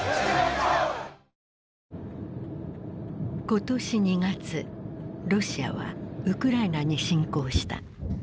今年２月ロシアはウクライナに侵攻した。